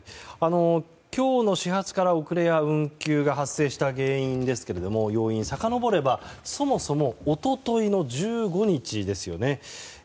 今日の始発から遅れや運休が発生した原因ですがさかのぼれば、そもそも一昨日の１５日ですよね。